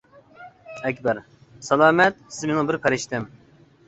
ئەكبەر : سالامەت، سىز مېنىڭ بىر پەرىشتەم!